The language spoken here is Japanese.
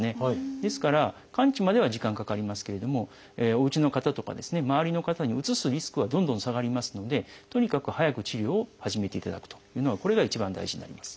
ですから完治までは時間かかりますけれどもおうちの方とか周りの方にうつすリスクはどんどん下がりますのでとにかく早く治療を始めていただくというのがこれが一番大事になります。